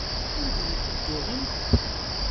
Anda ay ten-tuɣemt?